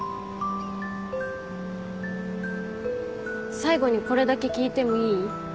最後にこれだけ聞いてもいい？